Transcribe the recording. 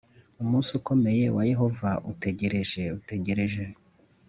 umunsi ukomeye wa Yehova uregereje Uregereje